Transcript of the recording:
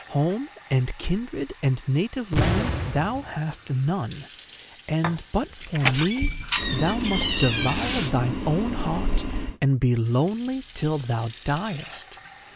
Home, and kindred, and native land thou hast none; and, but for me, thou must devour thine own heart and be lonely till thou diest.